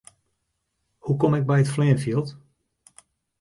Hoe kom ik by it fleanfjild?